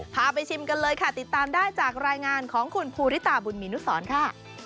พาไปชิมกันเลยค่ะติดตามได้จากรายงานของคุณภูริตาบุญมีนุสรค่ะ